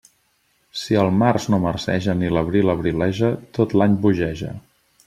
Si el març no marceja ni l'abril abrileja, tot l'any bogeja.